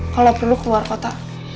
kalo perlu keluar kota